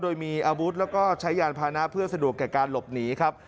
โดยมีอาวุธแล้วก็ใช้ยานพานะเพื่อสะดวกแก่การหลบหนีครับ